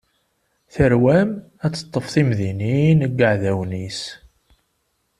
Tarwa-m ad teṭṭef timdinin n yiɛdawen-is!